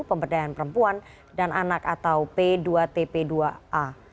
pemberdayaan perempuan dan anak atau p dua tp dua a